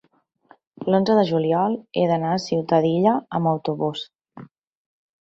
l'onze de juliol he d'anar a Ciutadilla amb autobús.